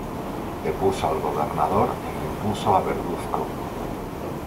Depuso al gobernador e impuso a Verduzco.